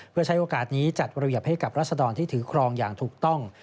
เพื่อใช้โอกาสนี้จัดระเบียบให้กับรัศดรที่ถือครองอย่างถูกต้อง